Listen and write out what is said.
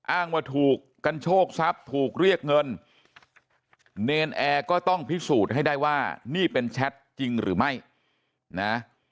อ้างว่าถูกกันโชคทรัพย์ถูกเรียกเงินเนรนแอร์ก็ต้องพิสูจน์ให้ได้ว่านี่เป็นแชทจริงหรือไม่นะ